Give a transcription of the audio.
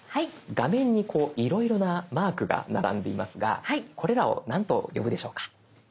画面にこういろいろなマークが並んでいますがこれらを何と呼ぶでしょうか？